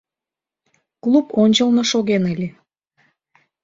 — Клуб ончылно шоген ыле.